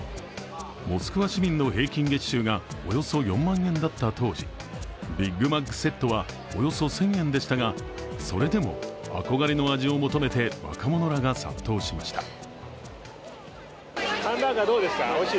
モスクワ市民の平均月収がおよそ４万円だった当時ビッグマックセットはおよそ１０００円でしたが、それでも憧れの味を求めて若者らが殺到しました。